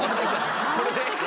これで？